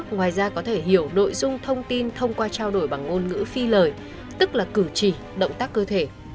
ngoài ra có thể hiểu nội dung thông tin thông qua trao đổi bằng ngôn ngữ phi lời tức là cử chỉ động tác cơ thể